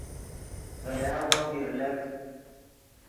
ڤے یاغو میر لک